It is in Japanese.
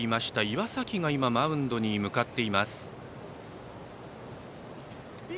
岩崎がマウンドに向かっています。